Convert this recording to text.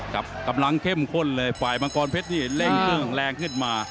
กำลังเข้มข้นเลยฝ่ายมังกรเพชรนี่เร่งเครื่องแรงขึ้นมา